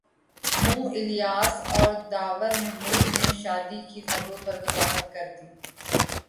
منہ الیاس اور داور محمود نے شادی کی خبروں پر وضاحت کردی